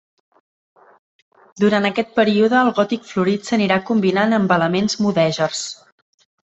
Durant aquest període el gòtic florit s'anirà combinant amb elements mudèjars.